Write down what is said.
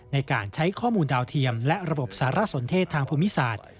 ในการใช้ข้อมูลดาวเทียมและระบบสารสนเทศทางภูมิศาสตร์